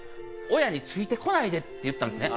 親についてこないでって言ったんですね。